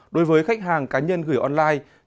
đối với khách hàng cá nhân gửi online